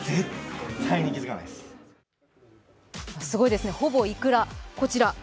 すごいですね、ほぼいくら。